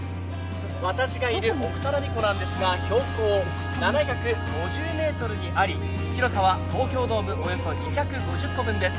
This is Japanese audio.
私がいる奥只見湖なんですが、標高７５０ｍにあり、広さは東京ドームおよそ２５０個分です。